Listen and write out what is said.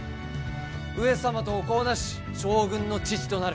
上様とお子をなし将軍の父となる。